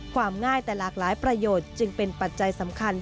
ความง่ายแต่หลากหลายประโยชน์จึงเป็นปัจจัยสำคัญ